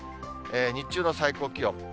日中の最高気温。